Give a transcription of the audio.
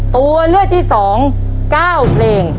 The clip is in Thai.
ตัวเลือดที่สอง๙เพลง